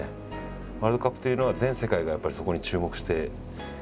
ワールドカップというのは全世界がやっぱりそこに注目して見るので。